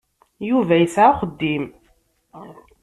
Yuba yesɛa axeddim.